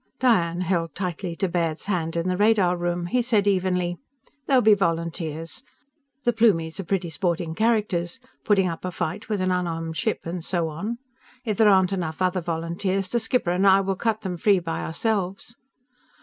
Diane held tightly to Baird's hand, in the radar room. He said evenly: "There'll be volunteers. The Plumies are pretty sporting characters putting up a fight with an unarmed ship, and so on. If there aren't enough other volunteers, the skipper and I will cut them free by ourselves."